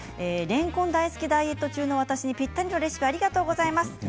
れんこん大好きダイエット中の私にぴったりのレシピをありがとうございます。